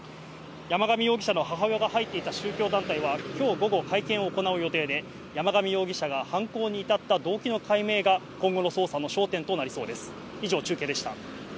山上容疑者の母親が入っていた宗教団体は今日午後、会見をする予定で山上容疑者が犯行に至った動機の解明などが今後の捜査の焦点となりそうです。